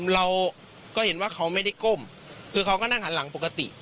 เราก็เห็นว่าเขาไม่ได้ก้มคือเขาก็นั่งหันหลังปกติ